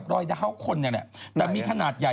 เดินมาจาก